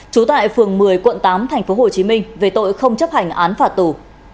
trú tại phường một mươi quận tám tp hcm về tội không chấp hành án phạt tù